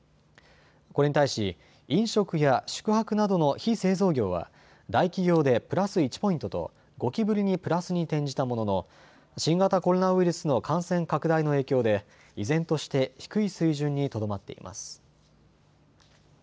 これに対し、飲食や宿泊などの非製造業は大企業でプラス１ポイントと５期ぶりにプラスに転じたものの新型コロナウイルスの感染拡大の影響で依然として低い水準にとどまっています。